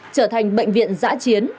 trở thành bệnh viện giã chiến